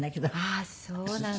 ああそうなんだ。